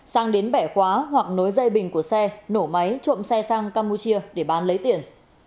sang đến bẻ khóa hoặc nối dây bình của xe nổ máy trộm xe sang campuchia để bán lấy tiền